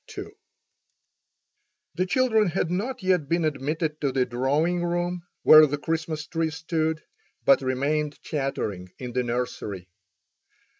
II The children had not yet been admitted to the drawing room, where the Christmas tree stood, but remained chattering in the nursery.